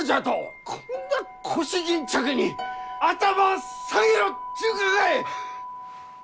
こんな腰巾着に頭下げろっちゅうがかい！